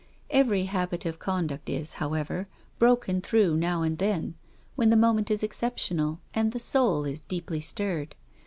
Every habit of conduct, is, however, broken through now and then, when the moment is exceptional and the soul is deeply stirred.